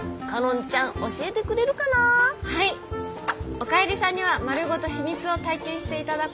おかえりさんには丸ごと秘密を体験していただこうと思っています。